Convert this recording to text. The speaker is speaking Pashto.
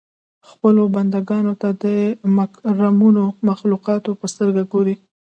خپلو بنده ګانو ته د مکرمو مخلوقاتو په سترګه ګوري.